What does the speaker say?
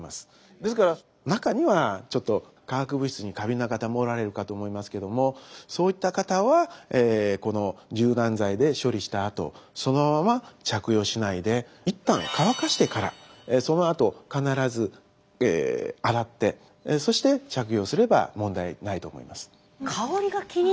ですから中にはちょっと化学物質に過敏な方もおられるかと思いますけどもそういった方はこの柔軟剤で処理したあとそのまま着用しないで一旦乾かしてからそのあと必ず洗ってそして着用すれば問題ないと思います。